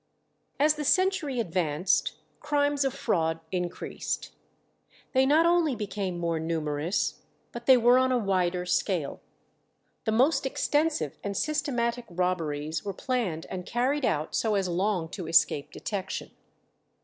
As the century advanced crimes of fraud increased. They not only became more numerous, but they were on a wider scale. The most extensive and systematic robberies were planned and carried out so as long to escape detection.